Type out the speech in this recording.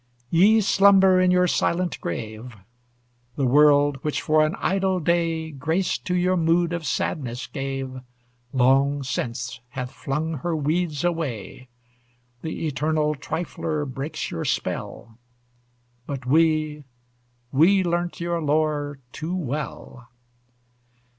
Ye slumber in your silent grave! The world, which for an idle day Grace to your mood of sadness gave, Long since hath flung her weeds away. The eternal trifler breaks your spell; But we we learnt your lore too well!